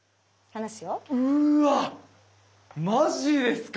うわまじですか。